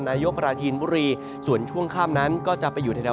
นายกปราจีนบุรีส่วนช่วงข้ามนั้นก็จะไปอยู่ในแถว